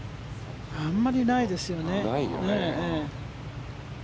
あまりないですよね。